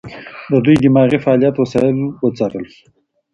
د دوی دماغي فعالیت وسایلو وڅارل شو.